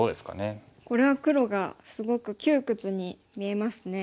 これは黒がすごく窮屈に見えますね。